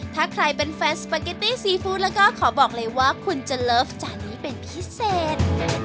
ถ้าใครเป็นแฟนสปาเกตตี้ซีฟู้ดแล้วก็ขอบอกเลยว่าคุณจะเลิฟจานนี้เป็นพิเศษ